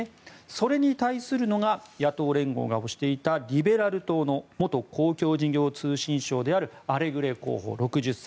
それに対する野党連合が推していた、リベラル党の元公共事業・通信相であるアレグレ候補、６０歳。